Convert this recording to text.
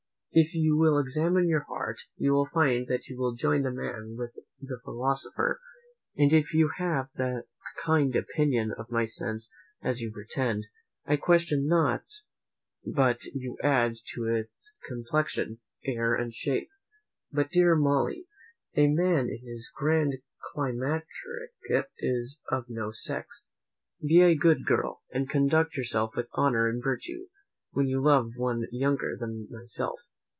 If you will examine your heart, you will find that you join the man with the philosopher; and if you have that kind opinion of my sense as you pretend, I question not but you add to it complexion, air, and shape; but, dear Molly, a man in his grand climacteric is of no sex. Be a good girl, and conduct yourself with honour and virtue, when you love one younger than myself.